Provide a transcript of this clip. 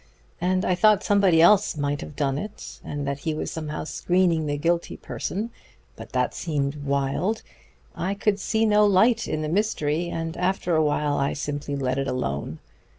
And I thought somebody else might have done it, and that he was somehow screening the guilty person. But that seemed wild. I could see no light in the mystery, and after a while I simply let it alone.